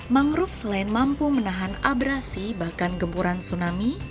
mangrove selain mampu menahan abrasi bahkan gempuran tsunami